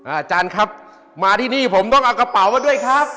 อาจารย์ครับมาที่นี่ผมต้องเอากระเป๋ามาด้วยครับ